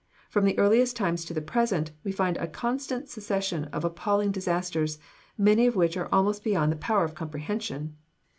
From the earliest times to the present, we find a constant succession of appalling disasters, many of which are almost beyond the power of comprehension.